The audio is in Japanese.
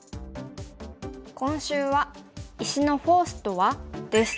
今週は「石のフォースとは？」です。